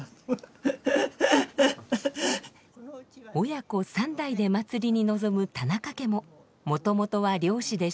親子３代で祭りに臨む田中家ももともとは漁師でした。